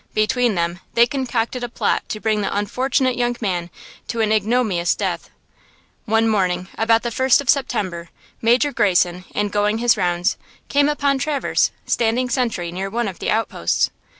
Between them they concocted a plot to bring the unfortunate young man to an ignominious death. One morning, about the first of September, Major Greyson, in going his rounds, came upon Traverse, standing sentry near one of the outposts.